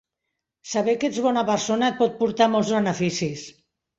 Saber que ets bona persona et pot portar molts beneficis